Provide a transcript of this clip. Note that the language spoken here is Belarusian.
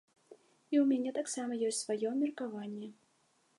І ў мяне таксама ёсць сваё меркаванне.